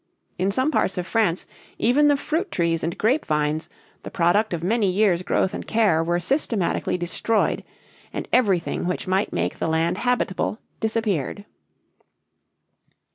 In some parts of France even the fruit trees and grapevines, the product of many years' growth and care, were systematically destroyed, and everything which might make the land habitable disappeared.